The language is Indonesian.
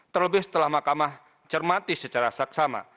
terlebih setelah mahkamah cermati secara saksama